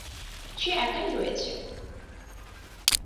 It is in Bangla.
সে একাই রয়েছে।